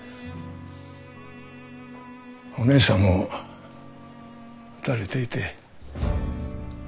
お姉さんも撃たれていて。